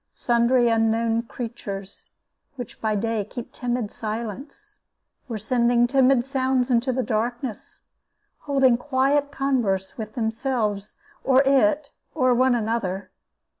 Sundry unknown creatures, which by day keep timid silence, were sending timid sounds into the darkness, holding quiet converse with themselves, or it, or one another.